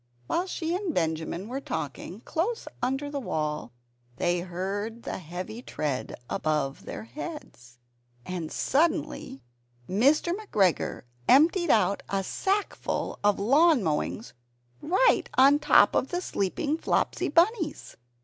While she and Benjamin were talking, close under the wall, they heard a heavy tread above their heads; and suddenly Mr. McGregor emptied out a sackful of lawn mowings right upon the top of the sleeping Flopsy Bunnies!